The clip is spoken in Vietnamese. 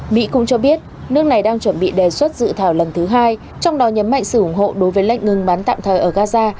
mỹ cũng cho biết nước này đang chuẩn bị đề xuất dự thảo lần thứ hai trong đó nhấn mạnh sự ủng hộ đối với lệnh ngừng bắn tạm thời ở gaza